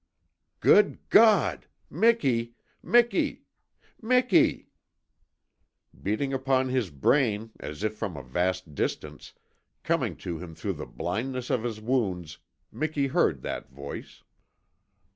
"Good God! Miki Miki Miki " Beating upon his brain as if from a vast distance, coming to him through the blindness of his wounds, Miki heard that voice.